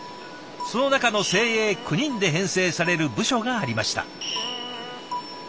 その中の精鋭９人で編成される部署がありました。